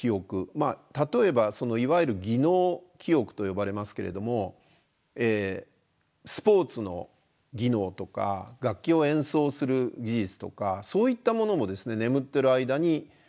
例えばいわゆる技能記憶と呼ばれますけれどもスポーツの技能とか楽器を演奏する技術とかそういったものも眠ってる間によくなるということが分かってるんですね。